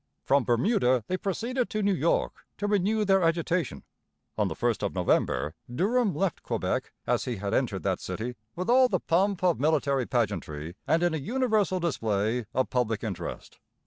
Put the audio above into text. From Bermuda they proceeded to New York to renew their agitation. On the first of November Durham left Quebec, as he had entered that city, with all the pomp of military pageantry and in a universal display of public interest.